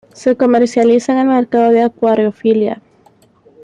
Se comercializa en el mercado de acuariofilia.